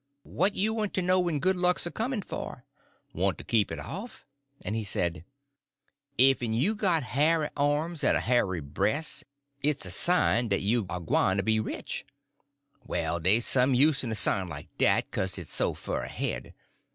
What you want to know when good luck's a comin' for? Want to keep it off?" And he said: "Ef you's got hairy arms en a hairy breas', it's a sign dat you's agwyne to be rich. Well, dey's some use in a sign like dat, 'kase it's so fur ahead.